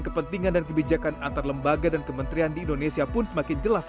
kepentingan dan kebijakan antar lembaga dan kementerian di indonesia pun semakin jelas